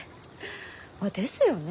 あですよね。